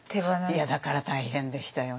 いやだから大変でしたよ。